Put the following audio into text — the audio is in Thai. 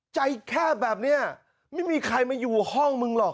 แคบแบบนี้ไม่มีใครมาอยู่ห้องมึงหรอก